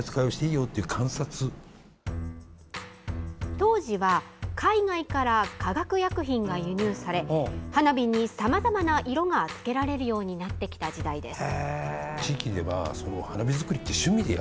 当時は海外から化学薬品が輸入され花火に、さまざまな色がつけられるようになってきた時代です。